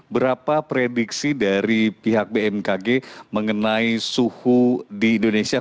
berapa prediksi dari pihak bmkg mengenai suhu di indonesia